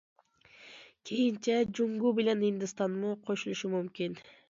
كېيىنچە جۇڭگو بىلەن ھىندىستانمۇ قوشۇلۇشى مۇمكىن.